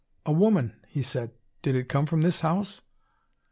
"A woman," he said. "Did it come from this house?"